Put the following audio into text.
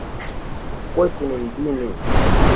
Kwetu ni mjini.